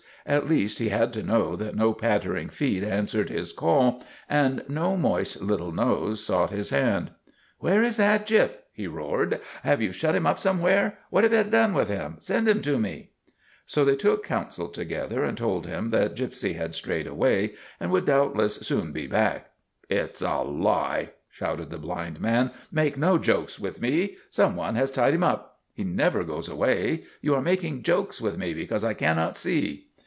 At least, he had to know that no pattering feet answered his call and no moist little nose sought his hand. " Where is that Gyp ?' he roared. " Have you shut him up somewhere ? What have you done with him ? Send him to me !' So they took counsel together and told him that Gypsy had strayed away and would doubtless soon be back. " It 's a lie !" shouted the blind man. " Make no jokes with me. Some one has tied him up. He never goes away. You are making jokes with me because I cannot see."